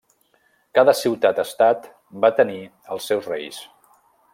Cada ciutat-estat va tenir els seus reis.